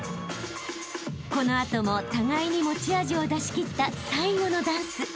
［この後も互いに持ち味を出し切った最後のダンス］